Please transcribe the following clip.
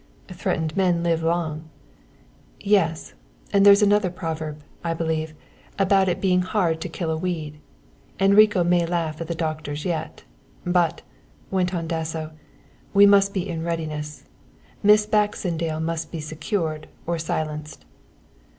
"Threatened men live long." "Yes, and there's another proverb, I believe, about it being hard to kill a weed Enrico may laugh at the doctors yet. But," went on Dasso, "we must be in readiness. Miss Baxendale must be secured or silenced."